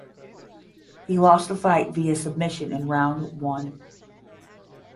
He lost the fight via submission in round one.